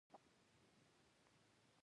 که ټولنه د دې افرادو په اړه بې پروا وي.